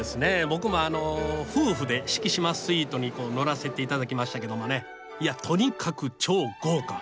僕も夫婦で四季島スイートに乗らせて頂きましたけどもねとにかく超豪華！